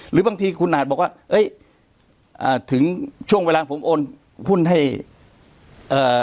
หรือบางทีคุณอาจบอกว่าเอ้ยอ่าถึงช่วงเวลาผมโอนหุ้นให้เอ่อ